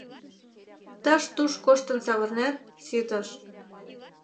Тыш-туш коштын савырнет — ситыш.